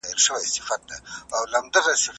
ماشومان هم په والدينو ځينې حقوق لري.